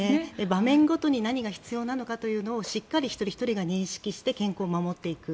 場面ごとに何が必要なのかというのをしっかり一人ひとりが認識して健康を守っていく。